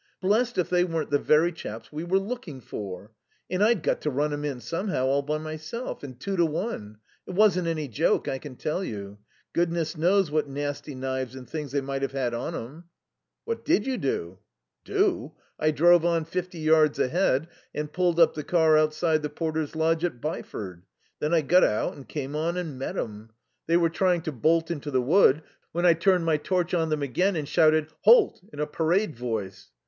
Blest if they weren't the very chaps we were looking for. And I'd got to run 'em in somehow, all by myself. And two to one. It wasn't any joke, I can tell you. Goodness knows what nasty knives and things they might have had on 'em." "What did you do?" "Do? I drove on fifty yards ahead, and pulled up the car outside the porter's lodge at Byford. Then I got out and came on and met 'em. They were trying to bolt into the wood when I turned my torch on them again and shouted 'Halt!' in a parade voice.